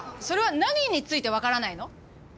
それは何についてわからないの？